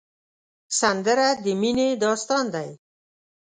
سندره د مینې داستان دی